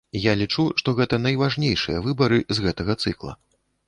І я лічу, што гэта найважнейшыя выбары з гэтага цыкла.